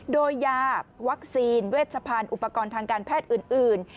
โดยยาวัคซีนเวชพันธุ์อุปกรณ์ทางการแพทย์อื่น